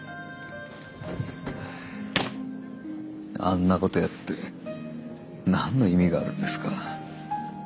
あんなことやって何の意味があるんですか？